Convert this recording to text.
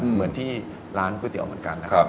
เหมือนที่ร้านก๋วยเตี๋ยวเหมือนกันนะครับ